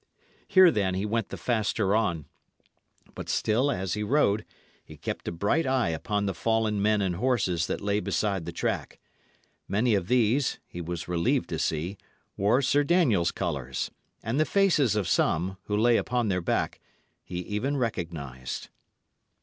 Here, then, he went the faster on; but still, as he rode, he kept a bright eye upon the fallen men and horses that lay beside the track. Many of these, he was relieved to see, wore Sir Daniel's colours, and the faces of some, who lay upon their back, he even recognised.